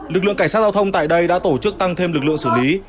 lực lượng cảnh sát giao thông tại đây đã tổ chức tăng thêm lực lượng xử lý